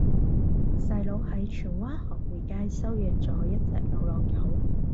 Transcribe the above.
細佬喺荃灣河背街收養左一隻流浪狗